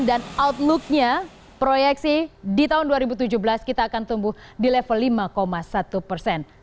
dan outlooknya proyeksi di tahun dua ribu tujuh belas kita akan tumbuh di level lima satu persen